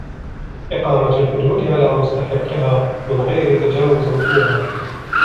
إقَامَةُ الْحُدُودِ عَلَى مُسْتَحِقِّهَا مِنْ غَيْرِ تَجَاوُزٍ فِيهَا